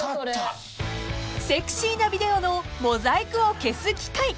［セクシーなビデオのモザイクを消す機械］